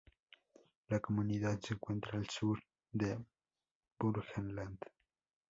La comunidad se encuentra al sur de Burgenland.